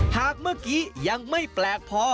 หากเมื่อกี้ยังไม่แปลกพอ